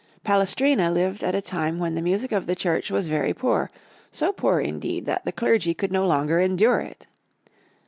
Palestrina lived at a time when the music of the church was very poor, so poor, indeed, that the clergy could no longer endure it.